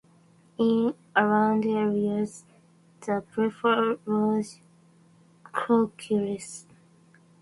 In inland areas, they prefer large carcasses.